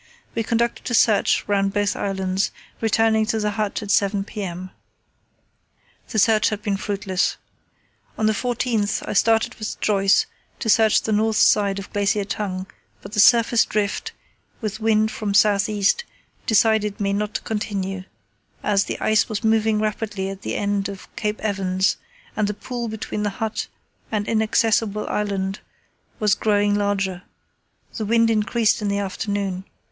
We conducted a search round both islands, returning to the hut at 7 p.m. The search had been fruitless. On the 14th I started with Joyce to search the north side of Glacier Tongue, but the surface drift, with wind from south east, decided me not to continue, as the ice was moving rapidly at the end of Cape Evans, and the pool between the hut and Inaccessible Island was growing larger. The wind increased in the afternoon.